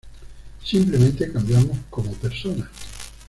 Simplemente cambiamos como personas.